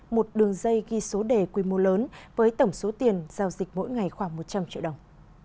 một đường dây ghi số đề quy mô lớn với tổng số tiền giao dịch mỗi ngày khoảng một trăm linh triệu đồng